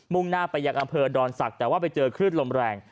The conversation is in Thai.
่งหน้าไปยังอำเภอดอนศักดิ์แต่ว่าไปเจอคลื่นลมแรง